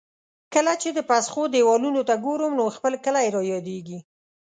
کله چې د پسخو دېوالونو ته ګورم، نو خپل کلی را یادېږي.